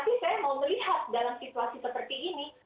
tapi saya mau melihat dalam situasi seperti ini